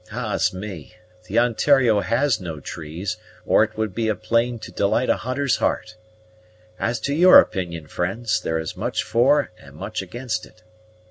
Ah's me! The Ontario has no trees, or it would be a plain to delight a hunter's heart! As to your opinion, friends, there is much for and much against it.